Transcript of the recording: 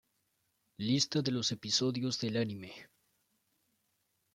Lista de los episodios del anime.